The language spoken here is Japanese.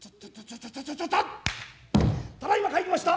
ただいま帰りました。